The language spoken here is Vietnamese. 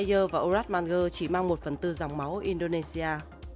có nghĩa hajer và ojapmangwe chỉ mang một phần tư dòng máu indonesia